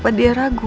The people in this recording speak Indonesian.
apa dia ragu